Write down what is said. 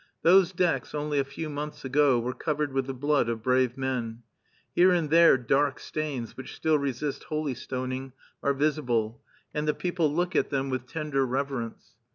Those decks, only a few months ago, were covered with the blood of brave men. Here and there dark stains, which still resist holy stoning, are visible; and the people look at them with tender reverence.